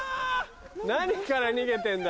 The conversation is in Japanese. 何から逃げてんだ。